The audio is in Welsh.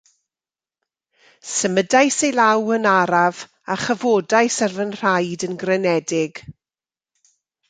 Symudais ei law yn araf, a chyfodais ar fy nhraed yn grynedig.